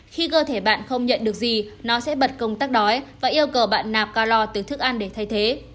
khi cơ thể bạn không nhận được gì nó sẽ bật công tác đói và yêu cầu bạn nạp calor từ thức ăn để thay thế